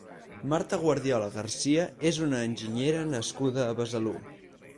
Marta Guardiola Garcia és una enginyera nascuda a Besalú.